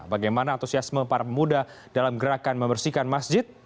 bagaimana antusiasme para pemuda dalam gerakan membersihkan masjid